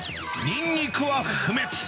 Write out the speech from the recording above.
ニンニクは不滅！